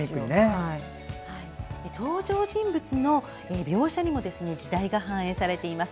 登場人物の描写にも時代が反映されています。